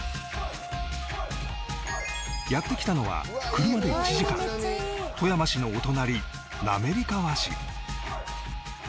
やって来たのは車で１時間富山市のお隣滑川市